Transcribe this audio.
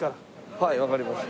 はいわかりました。